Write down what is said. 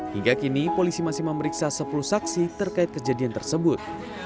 hingga kini polisi masih memeriksa sepuluh saksi terkait kejadian tersebut